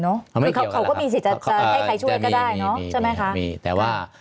เขาก็มีสิทธิ์จะให้ใครช่วยก็ได้แต่ว่า